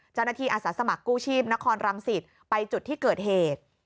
เจ้าหน้าที่อาสาสมัครกู้ชีพนครรังสิทธิ์ไปจุดที่เกิดเหตุ